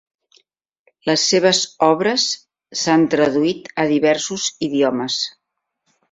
Les seves obres s'han traduït a diversos idiomes.